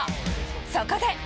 そこで。